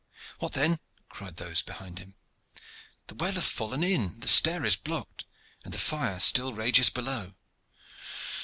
"What then?" cried those behind him. "The wall hath fallen in, the stair is blocked, and the fire still rages below.